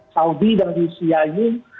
saudi dan rusia ini